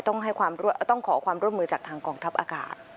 ต้องขอความร่วมมือจากทางกองทัพอากาศ